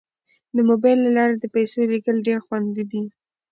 د موبایل له لارې د پيسو لیږل ډیر خوندي دي.